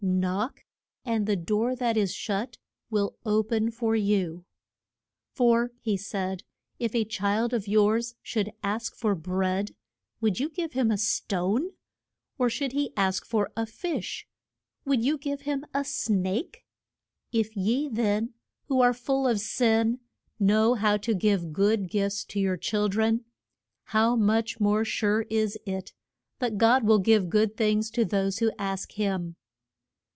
Knock, and the door that is shut will o pen for you. For, he said, if a child of yours should ask for bread, would you give him a stone? or should he ask for a fish, would you give him a snake? If ye then, who are full of sin, know how to give good gifts to your chil dren, how much more sure is it that God will give good things to those who ask him.